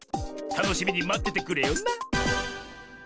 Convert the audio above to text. たのしみにまっててくれよな！